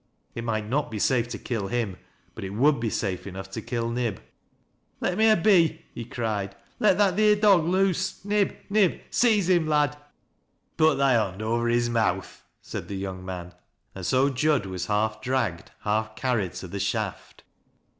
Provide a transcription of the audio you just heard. It might not be safe to kill him ; but it would be safe enough to kill Nib. " Let me a be," he cried. " Let that theer dog loose. Nib, Nib, — seize him, lad !"" Put thy hond over his mouth," said the young man. And so Jud was half dragged, half carried to the shaft.